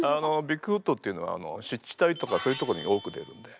ビッグフットっていうのは湿地帯とかそういうとこに多く出るんで。